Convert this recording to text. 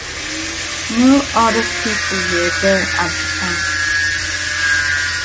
No other people were there at the time.